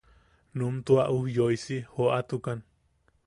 Num tua ujyoisi joʼatukan.